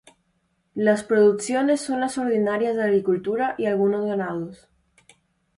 Las producciones son las ordinarias de agricultura y algunos ganados".